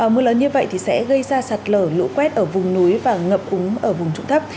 mưa lớn như vậy thì sẽ gây ra sạt lở lũ quét ở vùng núi và ngập úng ở vùng trụng thấp